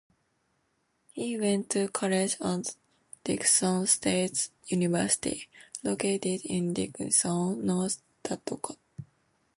He went to college at Dickinson State University, located in Dickinson, North Dakota.